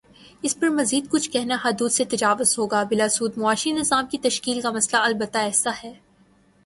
اس پر مزیدکچھ کہنا حدود سے تجاوز ہوگا بلاسود معاشی نظام کی تشکیل کا مسئلہ البتہ ایسا ہے۔